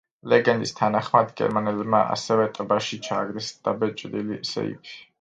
ლეგენდის თანახმად, გერმანელებმა ასევე ტბაში ჩააგდეს დაბეჭდილი სეიფი.